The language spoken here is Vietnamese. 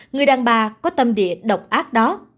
người đàn bà có tâm địa độc ác đó